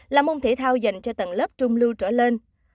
làm ông thể thao dành cho tầng lớp trung lưu trở lên